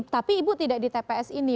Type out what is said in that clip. tapi ibu tidak di tps ini